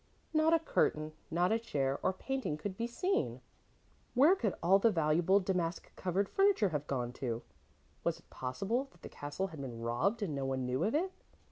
Not a curtain, not a chair or painting could be seen. Where could all the valuable damask covered furniture have gone to? Was it possible that the castle had been robbed and no one knew of it?